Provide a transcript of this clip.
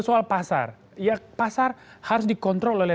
soal pasar ya pasar harus dikontrol oleh